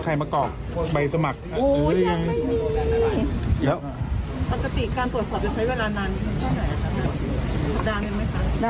ตรวจสอบไหนล่ะครับ